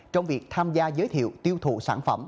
trong việc tham gia giới thiệu tiêu thụ sản phẩm